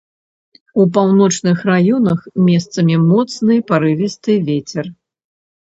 У паўночных раёнах месцамі моцны парывісты вецер.